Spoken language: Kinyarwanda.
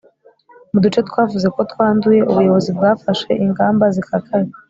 mu duce twavuzwe ko twanduye, ubuyobozi bwafashe ingamba zikakaye